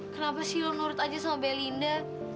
kenapa sih lo nurut aja sama belinda